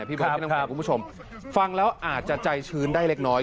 พี่บริเวณทั้งความคุณผู้ชมฟังแล้วอาจจะใจชื้นได้เล็กน้อย